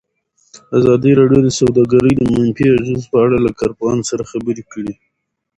ازادي راډیو د سوداګري د منفي اغېزو په اړه له کارپوهانو سره خبرې کړي.